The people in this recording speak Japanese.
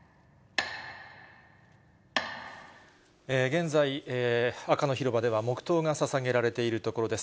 現在、赤の広場では黙とうがささげられているところです。